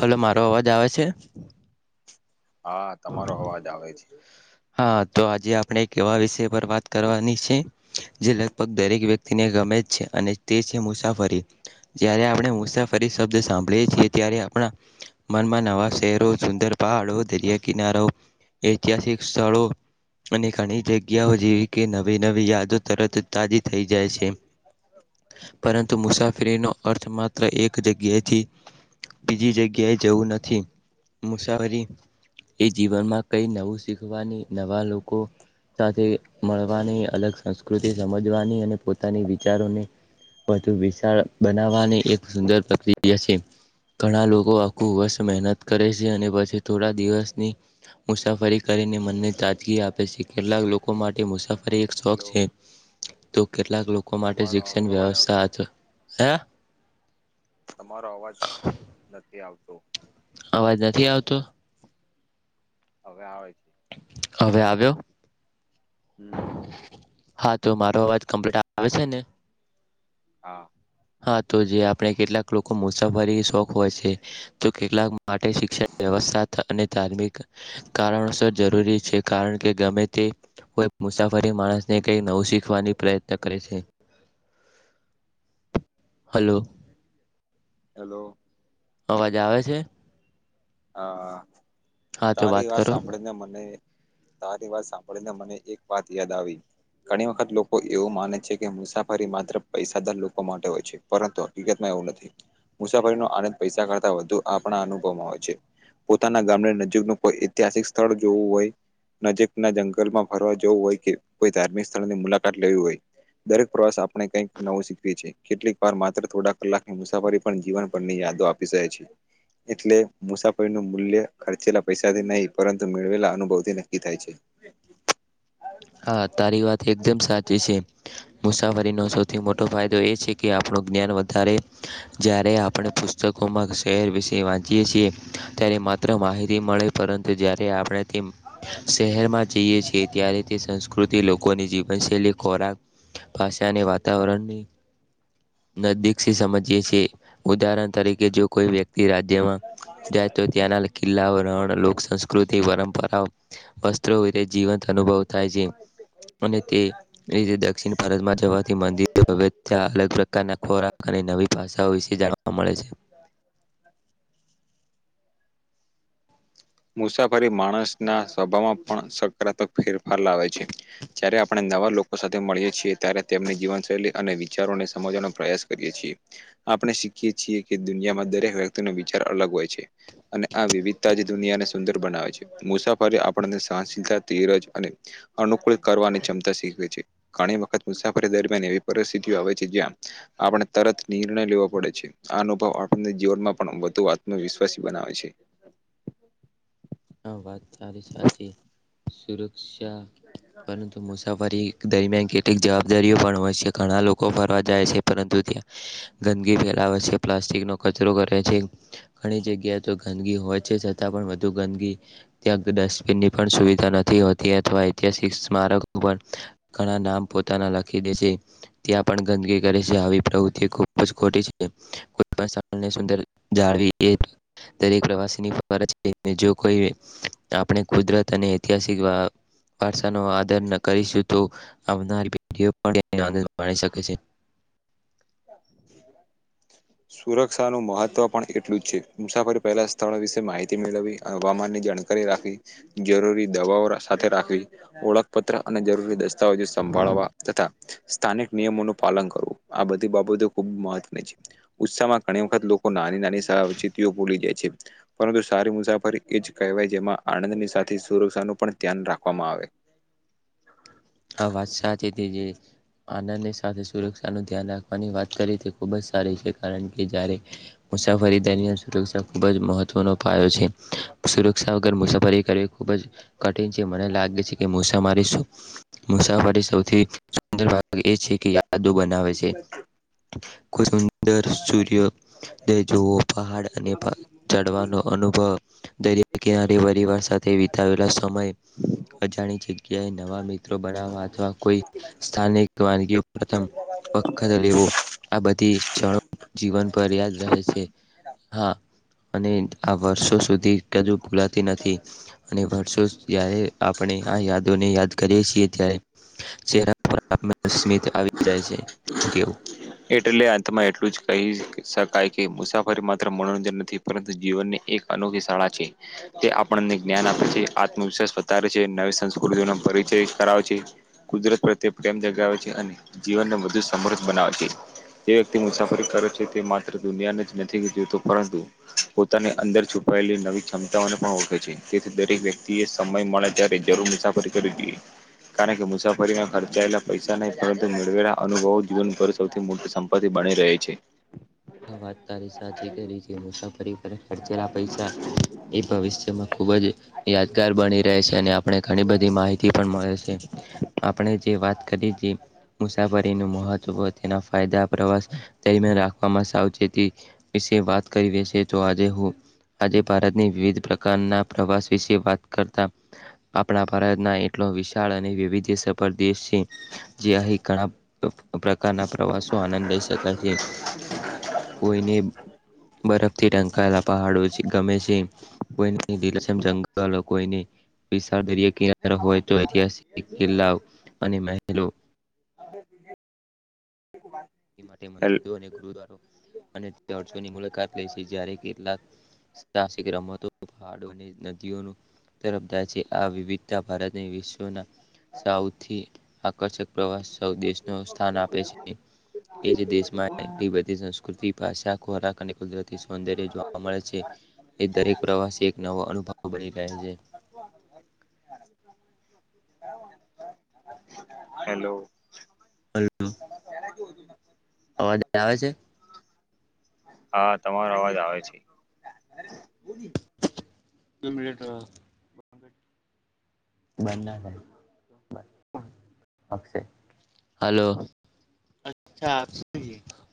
Hello મારો અવાજ આવે છે હા તમારો અવાજ આવે છે હા તો આજે આપણે કેવા વિષય પર વાત કરવાની છે જે લગભગ દરેક વ્યક્તિને ગમે છે અને તે છે મુસાફરી જ્યારે આપડે મુસાફરી શબ્દ સાંભળીએ છીએ ત્યારે આપણા મનમાં નવા શહેરો સુંદર પહાડો દરિયા કિનારો ઐતિહાસિક સ્થળો અને ઘણી જગ્યાઓ જેવી કે નવી નવી યાદો તરત તાજી થઈ જાય છે પરંતુ મુસાફરીનો અર્થ માત્ર એક જગ્યાએથી બીજી જગ્યાએ જવું નથી મુસાફરી એ જીવનમાં કઈ નવું શીખવાની નવા લોકો સાથે મળવાની અલગ સંસ્કૃતિ સમજવાની અને પોતાની વિચારોને વધુ વિશાળ બનાવાની એક સુંદર પ્રક્રિયા છે ઘણા લોકો આખું વર્ષ મહેનત કરે છે અને પછી થોડા દિવસની મુસાફરી કરીને મનને તાજગી આપે છે કેટલાક લોકો માટે મુસાફરી એક શોખ હેલો છે તો કેટલાક લોકો માટે તમારો શિક્ષણ અવાજ આવતો વ્યવસ્થા હે તમારો અવાજ નથી આવતો અવાજ નથી આવતો હવે આવે છે હવે આવ્યો હમ્મ હા તો મારો અવાજ કમ્પ્લીટ આવે છે ને હા હા તો જે આપણે કેટલાક લોકો મુસાફરી શોખ હોય છે તો કેટલાક માટે શિક્ષણ વ્યવસ્થા અને ધાર્મિક કારણોસર જરૂરી છે કારણ કે ગમે તે કોઈ મુસાફરી માણસને કઈ નવું શીખવાની પ્રયત્ન કરે છે હલો હલો અવાજ આવે છે? હા, હા તો તારી વાત કરો સાંભળીને મને તારી વાત સાંભળીને મને એક વાત યાદ આવી. ઘણી વખત લોકો એવું માને છે, કે મુસાફરી માત્ર પૈસાદાર લોકો માટે હોય છે. પરંતુ હકીકતમાં એવું નથી, મુસાફરીનો આનંદ પૈસા કરતા વધુ આપણા અનુભવમાં હોય છે. પોતાના ગામને નજીક નો કોઈ ઐતિહાસિક સ્થળ જોવું હોય નજીક ના જંગલમાં ફરવા જવું હોય, કે કોઈ ધાર્મિક સ્થળની મુલાકાત લેવી હોય. દરેક પ્રવાસ આપણે કંઈક નવું શીખવી છે, કેટલીક વાર માત્ર થોડા કલાકની મુસાફરી પણ જીવન ભર ની યાદો આપ પીસાય છે, એટલે મુસા ફરી નુ મૂલ્ય ખર્ચેલા પૈસાથી નહીં, પરંતુ મેળવેલા અનુભવ થી નક્કી થાય છે. હા, તારી વાત એકદમ સાચી છે. મુસાફરીનો સૌથી મોટો ફાયદો એ છે, કે આપણો જ્ઞાન વધારે જ્યારે આપણે પુસ્તકોમાં ધસી શહેર વિશે વાંચીએ છીએ, ત્યારે માત્ર માહિતી મળે, પરંતુ જ્યારે આપણે તેમ શહેરમાં જઈએ છીએ ત્યારે કૃતિ લોકોની જીવનશૈલી, ખોરાક, ભાસાની, વાતાવરણની. નદીકથી સમજીએ છીએ, ઉદાહરણ તરીકે જો કોઈ વ્યક્તિ રાજ્યમાં જાય તો ત્યાંના કિલ્લાઓ, રણ, લોકસસ્કૃ કૃતિ, પરંપરા, વસ્ત્રો વિતે જીવંત અનુભવ થાય છે, અને તે એ જે દક્ષિણ ભારતમાં જવાથી, મંદિરો, [unintelligible] ત્યાં અલગ પ્રકારના ખોરાક અને નવી ભાષાઓ વિશે જાણવા અ મળે છે. મુસાફરી માણસના સ્વભાવમાં પણ સકારાત્મક ફેરફાર લાવે છે. જય્યારે આપણે નવા લોકો સાથે મળીએ છીએ, ત્યારે તેમની જીવનશૈલી અને વિચારોને સમજવાનો પ્રયાસ કરીએ છીએ. આપણે શીખીએ છીએ કે દુનિયામાં દરેક વ્યક્તિનો વિચાર અલગ હોય છે, અને આ વિવિધતા જે દુનિયાને સુંદર બનાવે છે, મુસાફરી આપણને સહનશીલતા, ધીરજ અને અનુકૂળ કરવાની ચમતા શીખવે છે. ઘણી વખત મુસાફરી દરમિયાન એવી પરિસ્થિતિઓ આવે છે, જ્યાં આપણને તરત નિર્ણય લેવો પડે છે, આ અનુભવ આપણને જીવનમાં પણ વધુ આત્મવિશ્વાસી બનાવે છે. આ વાત તારી સાચી, સુરક્ષા પરંતુ મુસાફરી દરમિયાન કેટલીક જવાબદારીઓ પણ હોય છે, ઘણા લોકો ફરવા જાય છે, પરંતુ ત્યાં ગંદગી ફેલાવે છે. પ્લાસ્ટિકનો કચરો કરે છે, ઘણી જગ્યાએ તો ગંદગી હોય છે, છતાં પણ વધુ ગંદકી, ત્યાં તો ડસ્ટબિનની પણ સુવિધા નથી હોતી, અથવા ઐતિહાસિક મારકો પણ ઘણા નામ પોતાના લખી દે છે. ત્યાં પણ ગંદકી કરે છે, આવી પ્રવૃતિ ખુબજ ખોટી છે. કો પણ સની સુંદર જાળવી એ દરેક પ્રવાસી ની ફરજ છે. જો કોઈ આપણે કુદરત અને ઐતિહાસિક વા વારસાનો આદર ન કર કરીશું તો આવનારી પેઢીઓ પણ તેનો માણી શકે છે. [inaudible] સુરક્ષાનું મહત્વ પણ એટલું જ છે, મુસાફરી પહેલા સ્થળ વિશે માહિતી મેળવી, હવામાનની જાણ કારી રાખવી, જરૂરી દવાઓ સાથે રાખવી. ઓળખપત્ર અને જરૂરી દસ્તાવેજો સંભાળવા, તથા સ્થાનિક નિયમોનું પાલન કરવું, આ બધી બાબતો ખુબ મહત્વની છે. ઉત્સાહમાં ઘણી વખત લોકો નાની નાની સાવચિતતીઓ ભૂલી જાય છે. પરંતુ સારી મુસાફરી એ જ કહેવાય, જેમાં આનંદની સાથે સુરક્ષાનું પણ ધ્યાન રાખવામાં આવે. આ વાત સાચ તે જી. આનંદની સાથે સુરક્ષાનું ધ્યાન રાખવાની વાત કરી, તે ખુબ જ સારી છે, કારણ કે જ્યારે મુસાફરી દરમિયાન સુ ખૂબજ મહત્વનો પાયો છે, સુરક્ષા વગર મુસાફરી કરવી ખૂબજ કઠિન છે, મને લાગે છે કે મુસામારી શું મુસાફરી સૌથી સુંદર ભાગ એ છે કે યાદો બનાવે છે કોઈ સુંદર સૂર્ય દજવઓ પહાડ અને ચડવાનો અનુભવ દરિયા કિનારે પરિવાર સાથે વિતાવેલા સમય અજાણી જગ્યાએ નવા મ ત્રો બનાવવા અથવા કોઈ સ્થાનિક વાનગી પ્રથમ વખત લેવો આ બધી ક્ષણો જીવનભર યાદ રહે છે હા અને આ વર્ષો સુધી કદી ભુલાતી નથી અને વર્ષો જ્યારે આપણે આ યાદોને યાદ કરીએ છીએ ત્યારે [unintelligible] સ્મિત આવી જાય છે શું કેવું એટલે અંતમાં એટલું જ કહી શકાય કે મુસાફરી માત્ર મનોરંજન નથી પરંતુ જીવન ની એક અનોખી શાળા છે તે આપણને જ્ઞાન આપે છે આત્મવિશ્વાસ વધારે છે નવી સંસ્કૃતિનો પરિચય કરાવે છે કુદરત પ્રત્યે પ્રેમ જગાવે છે અને જીવનને વધુ સમૃદ્ધ બનાવે છે જે વ્યક્તિ મુસાફરી કરે છે તે માત્ર દુનિયાને જ નથી જોતો પરંતુ પોતાની અંદર છુપાયેલી નવી ક્ષમતાઓને પણ ઓળખે છે તેથી દરેક વ્યક્તિ એ સમય મળે ત્યારે જરૂર મુસાફરી કરવી જોઈએ કારણ કે મુસાફરીના ખર્ચ ખર્ચાયેલા પૈસા ને પરંતુ મેળવેલા અનુભવો જીવનભર સૌથી મોટી સંપત્તિ બની રહે છે હ વાત તારી સાચીતે મુસાફરી પર ખર્ચેલા પૈસા એ ભવિષ્યમાં ખૂબ જ યાદગાર બની રહે છે અને આપણે ઘણી બધી માહિતી પણ મળે છે આપણે જે વાત કરીએ તે મુસાફરી નું મહત્વ તેના ફાયદા પ્રવાસ દરમિયાન રાખ [unintelligible] સાવચેતી વિશે વાત કરી છે તો આજે હું આજે ભારતની વિવિધ પ્રકારના પ્રવાસ વિશે વાત કરતા આપણા ભારતના એટલો વિશાળ અને વૈવિધ્ય સફર દેશ છે જે અહીં ઘણા પ્રકારના પ્રવાસો આનંદ લઈ શકાય છે કોઈને બરફથી ઢંકાયેલા છે એ પહાડો ગમે છે કોઈનીલક્ષમ જંગલ કોઈની વિશળ દ કિનારો હોય તો ઐતિહાસિક કિલ્લાઓ અને મહેલો હ [inaudible] માટે મજિદો અને ગુરુદ્વાર અને ચર્ચોની મુલાકાત લે છે જ્યારે કેટલાક સાહસિક રમતો પાહાડો અને નદીઓનું [unintelligible] છે આ વિવિધતા ભારતની વિશ્વના સૌથી આકર્ષક પ્રવાસ સૌ દેશનો સ્થાન આપે છે એ જ દેશમાં એટલી બધી સંસ્કૃતિ ભાષા ખોરાક અને કુદરતી સૌંદર્ય જોવા મળે છે એ દરેક પ્રવાસી એક નવો અનુભવ બની ગયા છે [inaudible] હલો [unintelligible] [inaudible] [unintelligible] આવે છે હા તમારો અવાજ આવે છે મિટ [unintelligible] બંને ને હાલો અચ્છા